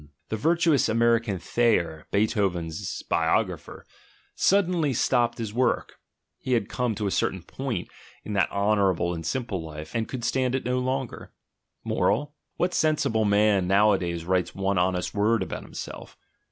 The virtuous American Thayer, Beethoven's biographer, suddenly stopped his work: he had come to a certain point in that honourable and simple life, and could stand it no longer. Moral: What sensible man nowadays writes one honest word about himself?